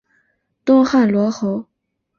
东汉罗侯。